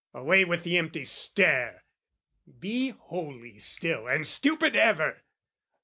Away with the empty stare! Be holy still, And stupid ever!